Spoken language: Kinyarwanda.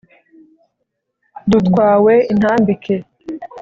dutwawe intambike